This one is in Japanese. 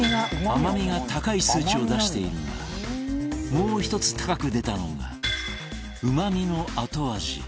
甘味が高い数値を出しているがもう１つ高く出たのがうま味の後味